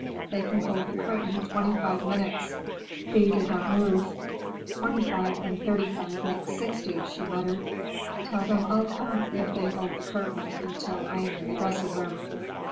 They can hold the curtain twenty five minutes." Thea did not move. "Twenty five and thirty five makes sixty," she muttered. "Tell them I'll come if they hold the curtain till I am in the dressing room.